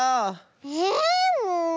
えっもう。